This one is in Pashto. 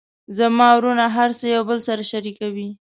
زما وروڼه هر څه یو بل سره شریکوي